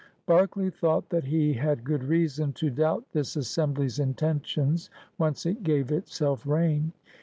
Berkeley thought that he had good reason to doubt this Assembly's intentions, once it gave itself rein.